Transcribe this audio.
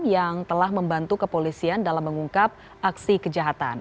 yang telah membantu kepolisian dalam mengungkap aksi kejahatan